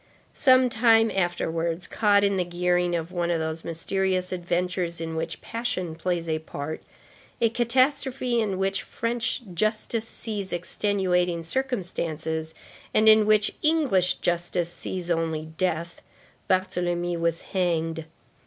Some time afterwards, caught in the gearing of one of those mysterious adventures in which passion plays a part, a catastrophe in which French justice sees extenuating circumstances, and in which English justice sees only death, Barthélemy was hanged.